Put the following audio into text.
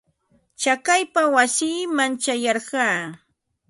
Chakaypa wasiiman ćhayarqaa.